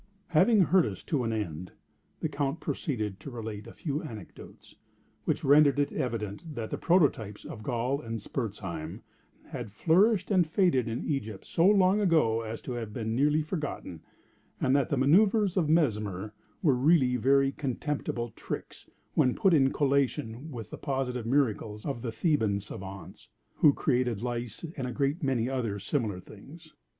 Having heard us to an end, the Count proceeded to relate a few anecdotes, which rendered it evident that prototypes of Gall and Spurzheim had flourished and faded in Egypt so long ago as to have been nearly forgotten, and that the manoeuvres of Mesmer were really very contemptible tricks when put in collation with the positive miracles of the Theban savans, who created lice and a great many other similar things.